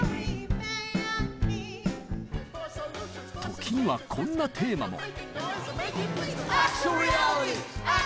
時にはこんなテーマも。